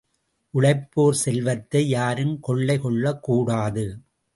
உழைப்போர் செல்வத்தை, யாரும் கொள்ளை கொள்ளக் கூடாது.